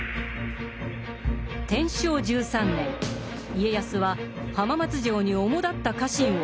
天正１３年家康は浜松城に主だった家臣を集めた。